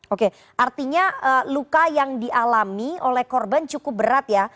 oke artinya luka yang dialami oleh korban cukup berat ya